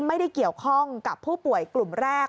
ไม่ได้เกี่ยวข้องกับผู้ป่วยกลุ่มแรก